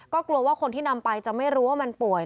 ก็กลัวว่าคนที่นำไปจะไม่รู้ว่ามันป่วย